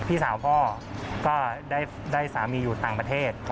พี่สาวพ่อก็ได้สามีอยู่ต่างประเทศ